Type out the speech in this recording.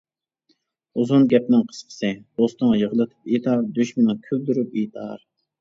ئۇزۇن گەپنىڭ قىسقىسى، دوستۇڭ يىغلىتىپ ئېيتار، دۈشمىنىڭ كۈلدۈرۈپ ئېيتار.